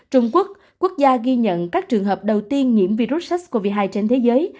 trung quốc quốc gia ghi nhận các trường hợp đầu tiên nhiễm virus sars cov hai trên thế giới